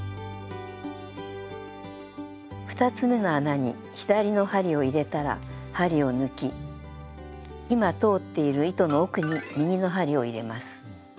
２つめの穴に左の針を入れたら針を抜き今通っている糸の奥に右の針を入れます。